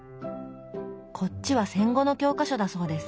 こっちは戦後の教科書だそうです。